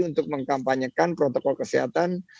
untuk mengkampanyekan protokol kesehatan